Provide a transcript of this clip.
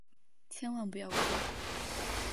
千万不要哭！